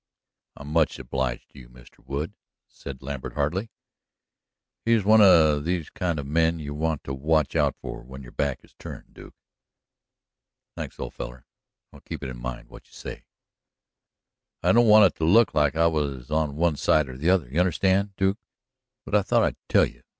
"I'm much obliged to you, Mr. Wood," said Lambert heartily. "He's one of these kind of men you want to watch out for when your back's turned, Duke." "Thanks, old feller; I'll keep in mind what you say." "I don't want it to look like I was on one side or the other, you understand, Duke; but I thought I'd tell you.